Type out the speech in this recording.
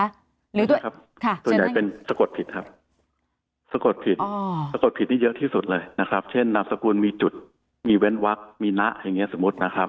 ส่วนใหญ่เป็นสกดผิดครับสกดผิดนี่เยอะที่สุดเลยนะครับเช่นนำสกุลมีจุดมีเว้นวักมีนะอย่างงี้สมมตินะครับ